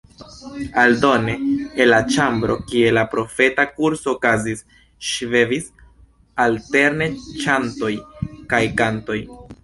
Aldone el la ĉambro, kie la profeta kurso okazis, ŝvebis alterne ĉantoj kaj kantoj.